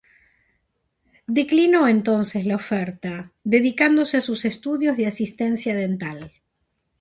Declinó entonces la oferta, dedicándose a sus estudios de asistencia dental.